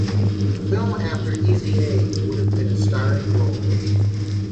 The film after "Easy A" would have been a starring role.